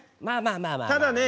まあまあまあまあ。